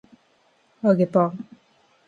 揚げパン